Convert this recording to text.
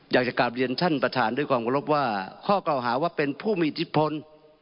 อยากจะกลับเรียนท่านประธานด้วยความกระรบว่าข้อเก่าหาว่าเป็นผู้มีอิทธิพล